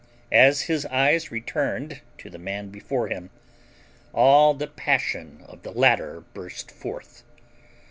As his eyes returned to the man before him, all the passion of the latter burst forth.